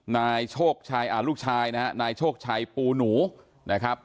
นายโชคชายลูกชายนะครับนายโชคชายปูหนูนะครับ